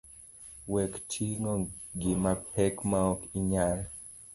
Wekting’o gima pek maok inyal.